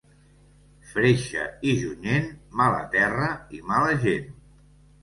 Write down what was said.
Freixa i Junyent, mala terra i mala gent.